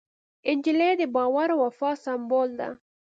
نجلۍ د باور او وفا سمبول ده.